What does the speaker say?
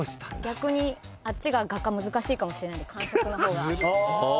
逆にあっちが「画家」難しいかもしれないんで「官職」の方が。